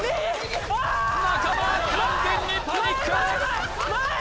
中間完全にパニック！